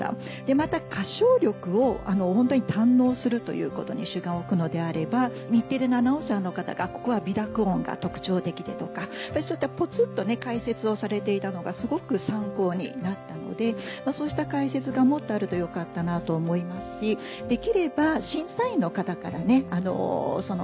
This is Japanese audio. また歌唱力をホントに堪能するということに主眼を置くのであれば日テレのアナウンサーの方が「ここは鼻濁音が特徴的で」とかやっぱりそういったポツっと解説をされていたのがすごく参考になったのでそうした解説がもっとあるとよかったなと思いますしできれば審査員の方からその審査